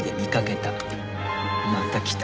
また来た。